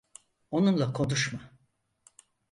Onunla konuşma.